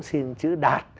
xin chữ đạt